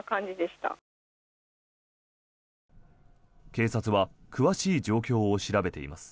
警察は詳しい状況を調べています。